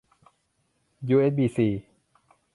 ยูเอสบีซี